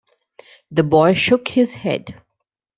The boy shook his head.